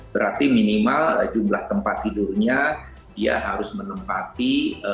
berarti minimal jumlah tempat tidurnya dia harus menempati